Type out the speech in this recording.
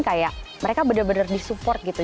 kayak mereka benar benar disupport gitu